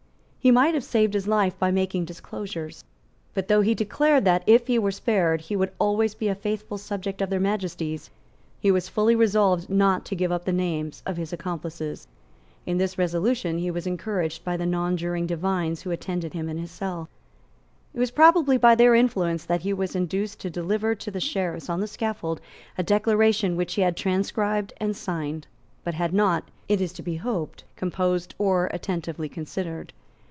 He might have saved his life by making disclosures. But though he declared that, if he were spared, he would always be a faithful subject of Their Majesties, he was fully resolved not to give up the names of his accomplices. In this resolution he was encouraged by the nonjuring divines who attended him in his cell. It was probably by their influence that he was induced to deliver to the Sheriffs on the scaffold a declaration which he had transcribed and signed, but had not, it is to be hoped, composed or attentively considered.